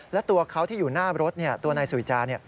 และตัวเขาที่อยู่หน้ารถตัวนายสุยจา